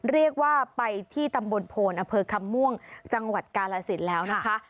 เรียกว่าไปที่ตำบลโพนอำเภอคำม่วงจังหวัดกาลสินแล้วนะคะ